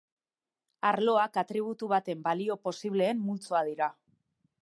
Arloak atributu baten balio posibleen multzoa dira.